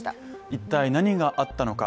一体何があったのか。